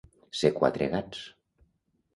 Ser quatre gats.